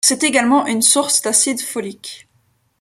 C'est également une source d'acide folique.